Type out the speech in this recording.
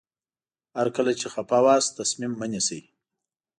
هر کله چې خفه وئ تصمیم مه نیسئ.